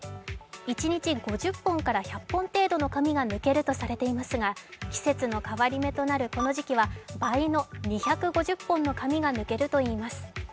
一日５０本から１００本程度の髪が抜けるとされていますが季節の変わり目となるこの時期は倍の２５０本の髪が抜けるといいます。